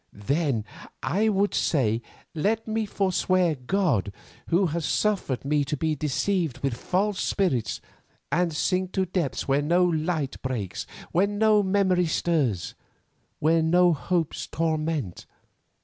"Then I would say, let me forswear God Who has suffered me to be deceived with false spirits, and sink to depths where no light breaks, where no memories stir, where no hopes torment.